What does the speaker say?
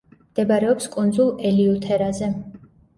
მდებარეობს კუნძულ ელიუთერაზე.